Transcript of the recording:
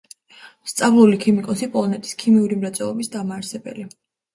სწავლული ქიმიკოსი, პოლონეთის ქიმიური მრეწველობის დამაარსებელი.